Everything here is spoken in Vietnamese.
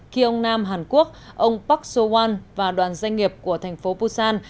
khi ông nam hàn quốc ông park so hwan và đoàn doanh nghiệp của thành phố busan